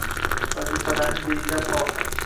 vazifalarni belgilab olsin.